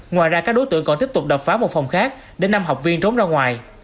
ngoài ra các đối tượng còn tiếp tục đập phá một phòng khác để năm học viên trốn ra ngoài